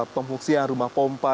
pemfungsian rumah pompa